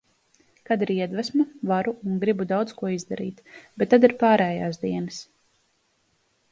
Kad ir iedvesma, varu un gribu daudz ko izdarīt, bet tad ir pārējās dienas.